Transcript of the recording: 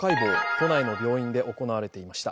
都内の病院で行われていました。